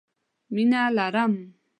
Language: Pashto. مينه لرم